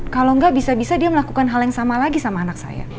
kalau nggak bisa bisa dia melakukan hal yang sama lagi sama anak saya